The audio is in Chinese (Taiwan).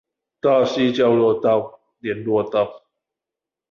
大溪交流道聯絡道